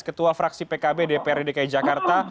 ketua fraksi pkb dprd dki jakarta